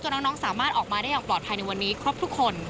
น้องสามารถออกมาได้อย่างปลอดภัยในวันนี้ครบทุกคน